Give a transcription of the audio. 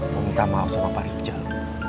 meminta maaf sama pak rijal